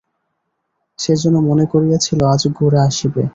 সে যেন মনে করিয়াছিল, আজ গোরা আসিবে।